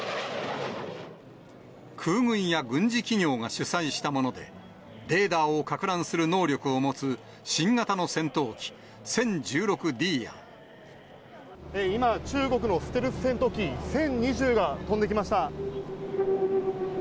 空軍や軍事企業が主催したもので、レーダーをかく乱する能力を持つ新型の戦闘機、今、中国のステルス戦闘機、懺２０が飛んできました。